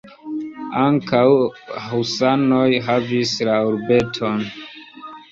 Ankaŭ husanoj havis la urbeton.